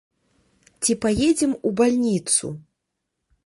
Ці паедзем у бальніцу?